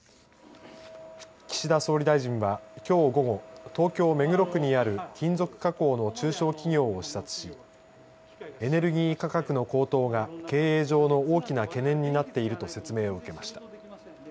岸田総理大臣はきょう午後、東京目黒区にある金属加工の中小企業を視察しエネルギー価格の高騰が経営上の大きな懸念になっていると説明を受けました。